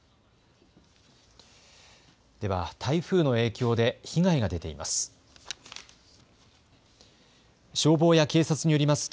では、台風の影響で被害が出ています。